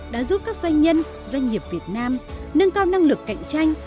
đã giúp các doanh nhân doanh nghiệp việt nam nâng cao năng lực cạnh tranh